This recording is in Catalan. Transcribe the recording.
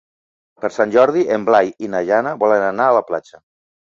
Per Sant Jordi en Blai i na Jana volen anar a la platja.